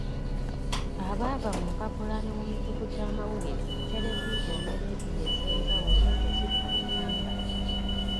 Abaava mu mpapula ne mu mikutu gy’amawulire, televizoni ne laadiyo ez’enjawulo eziri mu Buganda.